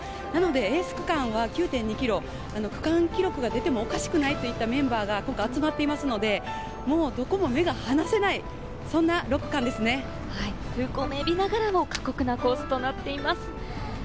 エース区間９．２ｋｍ、区間記録が出てもおかしくないといったメンバーが集まっていますので、どこも目が離せない、そんな６区風光明媚ながらも過酷なコースとなっています。